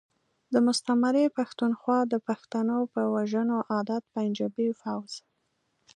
د مستعمرې پختونخوا د پښتنو په وژنو عادت پنجابی فوځ.